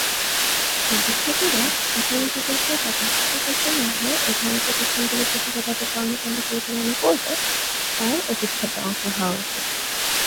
দুর্যোগ ঝুঁকি হ্রাস এককালীন-প্রকল্প বা পার্শ্ব-প্রকল্প না হয়ে, এধরনের প্রতিষ্ঠানগুলো কিভাবে তাদের কর্মকাণ্ড পরিচালনা করবে তার অবিচ্ছেদ্য অংশ হওয়া উচিৎ।